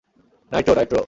Nitro, Nitro.